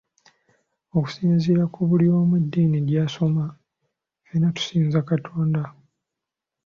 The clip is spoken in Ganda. "Okusinziira ku buli omu eddiini gy’asoma, ffena tusinza Katonda."